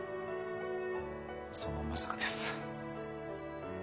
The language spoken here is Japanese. そのまさかです